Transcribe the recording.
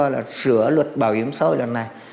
chúng ta phải sửa luật bảo hiểm xã hội lần này